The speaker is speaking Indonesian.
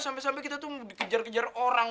sampai sampai kita tuh dikejar kejar orang